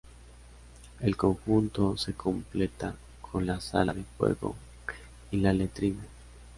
El conjunto se completa con la sala de fuego y la letrina.